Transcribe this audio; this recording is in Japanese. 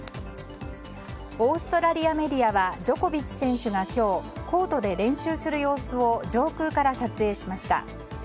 オーストラリアメディアはジョコビッチ選手が今日コートで練習する様子を上空から撮影しました。